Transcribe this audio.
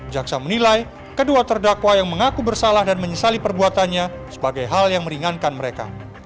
jaksa menilai kedua terdakwa yang mengaku bersalah dan menyesali perbuatannya sebagai hal yang meringankan mereka